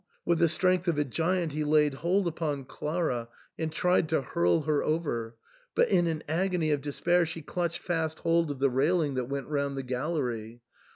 With the strength of a giant he laid hold upon Clara and tried to hurl her over, but in an agony of despair she clutched fast hold of the railing that went round the gallery.